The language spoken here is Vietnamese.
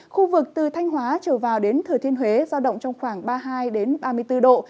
khu vực từ thanh hóa trở vào đến thừa thiên huế giao động trong khoảng ba mươi hai ba mươi bốn độ